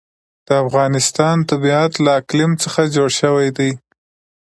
د افغانستان طبیعت له اقلیم څخه جوړ شوی دی.